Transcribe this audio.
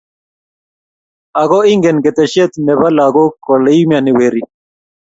Ako ingen keteshe ne be lagok kole iumianik weriik.